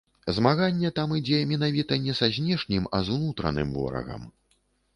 Змаганне там ідзе менавіта не са знешнім, а з унутраным ворагам.